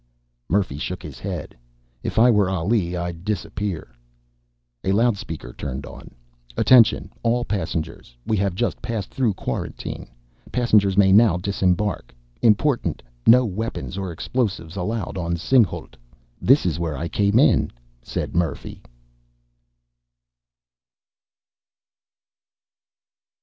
Murphy shook his head. "If I were Ali I'd disappear." A loudspeaker turned on. "Attention all passengers. We have just passed through quarantine. Passengers may now disembark. Important: no weapons or explosives allowed on Singhalût!" "This is where I came in," said Murphy.